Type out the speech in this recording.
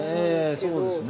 そうですね。